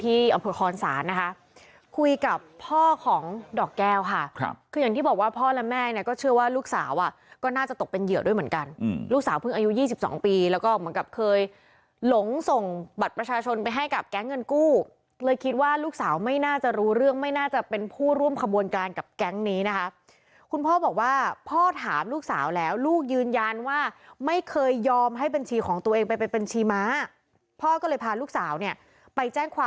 ที่อพฤคลศาสน์นะคะคุยกับพ่อของดอกแก้วค่ะคืออย่างที่บอกว่าพ่อและแม่ก็เชื่อว่าลูกสาวก็น่าจะตกเป็นเหยื่อด้วยเหมือนกันลูกสาวเพิ่งอายุ๒๒ปีแล้วก็เหมือนกับเคยหลงส่งบัตรประชาชนไปให้กับแก๊งเงินกู้เลยคิดว่าลูกสาวไม่น่าจะรู้เรื่องไม่น่าจะเป็นผู้ร่วมขบวนการกับแก๊งนี้นะคะคุณพ่อบอกว